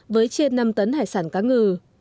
với trên năm tấn hải sản cá ngừ